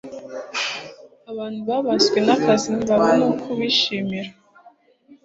abantu babaswe n akazi ntibabona uko bishimira